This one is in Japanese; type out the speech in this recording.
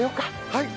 はい！